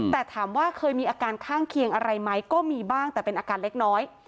แต่ถามว่าเคยมีอาการข้างเคียงอะไรไหมก็มีบ้างแต่เป็นอาการเล็กน้อย